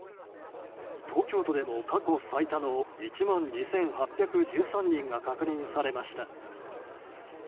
東京都でも過去最多の１万２８１３人が確認されました。